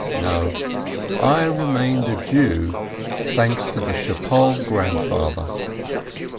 No, I remained a Jew thanks to the Schpol Grand father.